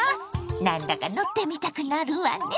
なんだか乗ってみたくなるわね。